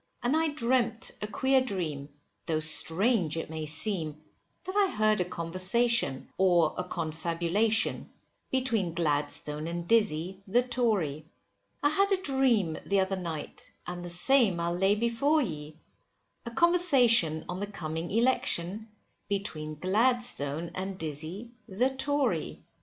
And I dreamt a queer dream, though strange it may seem, that I heard a conversation, or a confabulation, between Gladstone and Dizzy, the Tory. I had a dream the other night; and the same I'll lay before ye, A conversation on the coming election, between Gladstone and Dizzy, the Tory.